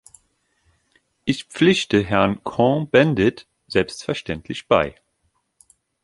Ich pflichte Herrn Cohn-Bendit selbstverständlich bei.